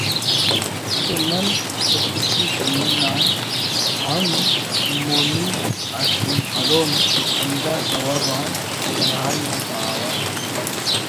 تو نن خودکشی کننگ آن ہم مونی ہڑسینگپرون تو ہندا سوب آن سرحال نا باور